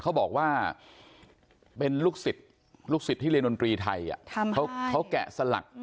เขาบอกว่าเป็นลูกศิษย์ลูกศิษย์ที่เรียนดนตรีไทยเขาแกะสลัก